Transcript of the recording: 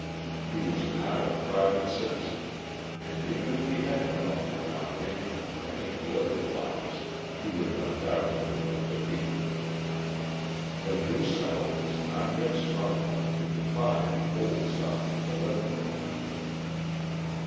He was now a private citizen, and even if he had come up for nomination to any political office, he would undoubtedly have been defeated. The New South is not yet strong enough to defy the Old South politically.